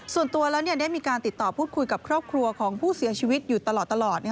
ส่วนตัวแล้วได้มีการติดต่อพูดคุยกับครอบครัวของผู้เสียชีวิตอยู่ตลอด